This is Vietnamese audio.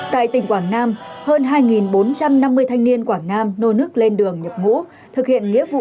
tại tỉnh quảng nam hơn hai bốn trăm năm mươi thanh niên quảng nam nô nước lên đường nhập ngũ thực hiện nghĩa vụ